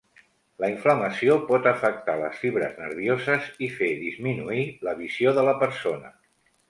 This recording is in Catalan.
La inflamació pot afectar les fibres nervioses i, fer disminuir la visió de la persona.